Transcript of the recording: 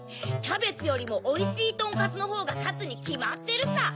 キャベツよりもおいしいとんかつのほうがかつにきまってるさ！